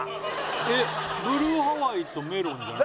えっブルーハワイとメロンじゃないの？